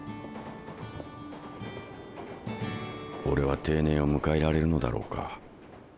俺は定年を迎えられるのだろうか。